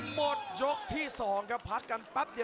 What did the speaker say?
หมดยกที่๒ครับพักกันแป๊บเดียว